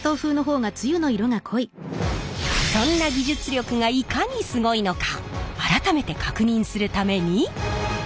そんな技術力がいかにすごいのか改めて確認するために。